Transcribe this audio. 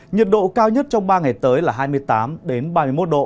nhiệt độ cao nhất trong ba ngày tới là hai mươi tám ba mươi một độ